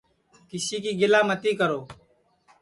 کِسی کی گِلا متی کرو